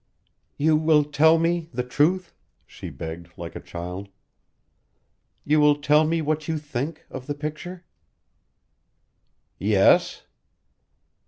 "You will tell me the truth?" she begged, like a child. "You will tell me what you think of the picture?" "Yes."